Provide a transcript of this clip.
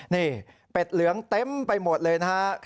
นี่เป็ดเหลืองเต็มไปหมดเลยนะฮะ